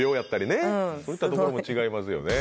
そういったところも違いますよね。